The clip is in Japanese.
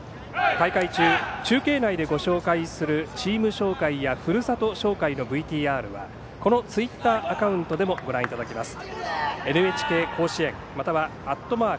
大会中、中継内でご紹介するチーム紹介やふるさと紹介のＶＴＲはツイッターアカウントでもご覧いただけます。